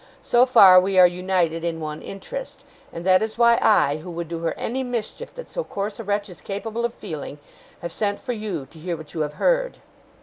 So far, we are united in one interest; and that is why I, who would do her any mischief that so coarse a wretch is capable of feeling, have sent for you to hear what you have heard.